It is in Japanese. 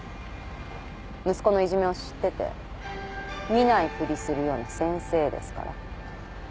息子のいじめを知ってて見ないふりするような先生ですから。